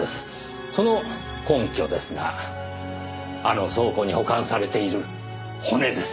その根拠ですがあの倉庫に保管されている骨です。